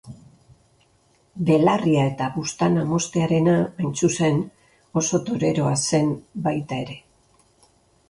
Belarria eta buztana moztearena, hain zuzen, oso toreroa zen baita ere.